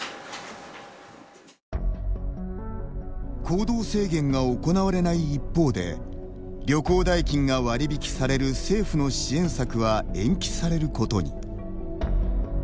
行動制限が行われない一方で旅行代金が割り引きされる政府の支援策は延期されることに。